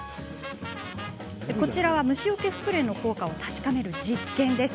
こちらは虫よけスプレーの効果を確かめる実験です。